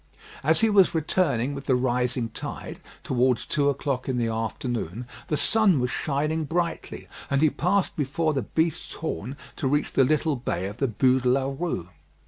As he was returning with the rising tide, towards two o'clock in the afternoon, the sun was shining brightly, and he passed before the Beast's Horn to reach the little bay of the Bû de la Rue.